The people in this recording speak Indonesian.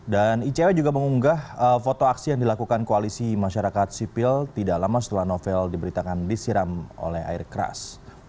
dan icw juga mengunggah foto aksi yang dilakukan koalisi masyarakat sipil tidak lama setelah novel diberitakan disiram oleh air keras